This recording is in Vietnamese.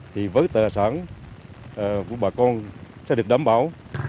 thì với tài sản của bà con sẽ được đảm bảo